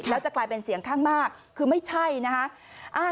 แล้วจะกลายเป็นเสียงข้างมากคือไม่ใช่นะคะ